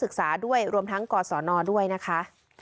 ด้วยรวมทั้งกศนด้วยนะคะ